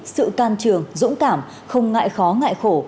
sự can trường dũng cảm không ngại khó ngại khổ